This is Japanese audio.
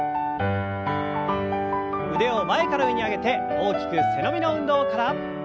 腕を前から上に上げて大きく背伸びの運動から。